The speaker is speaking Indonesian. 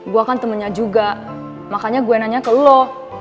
gue kan temennya juga makanya gue nanya ke lo